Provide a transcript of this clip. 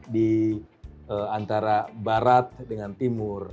di antara barat dengan timur